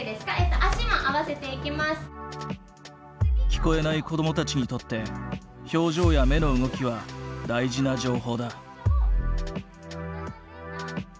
聞こえない子どもたちにとって表情や目の動きは大事な情報だ。